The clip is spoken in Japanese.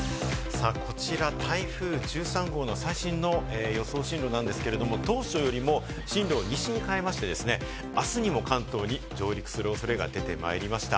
こちら台風１３号の最新の予想進路ですが、当初よりも進路を西に変えまして、あすにも関東に上陸する恐れが出てまいりました。